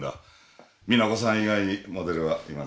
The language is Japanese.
実那子さん以外にモデルはいません。